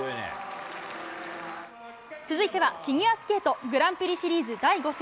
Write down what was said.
続いては、フィギュアスケートグランプリシリーズ第５戦。